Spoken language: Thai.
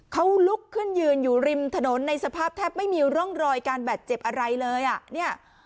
เขาลุกขึ้นยืนอยู่ริมถนนในสภาพแทบไม่มีร่องรอยการบาดเจ็บอะไรเลยอ่ะเนี่ย